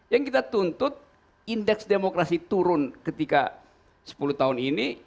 yang kita tuntut indeks demokrasi turun ketika sepuluh tahun ini